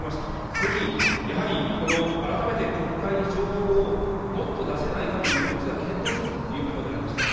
ぜひ、やはりこの改めて国会に情報をもっと出せないかということについては、検討するということでありました。